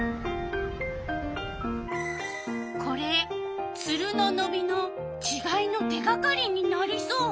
これツルののびのちがいの手がかりになりそう？